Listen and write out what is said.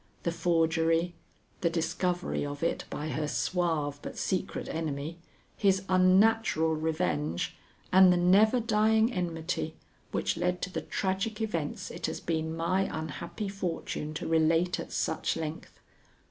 The forgery, the discovery of it by her suave but secret enemy, his unnatural revenge, and the never dying enmity which led to the tragic events it has been my unhappy fortune to relate at such length.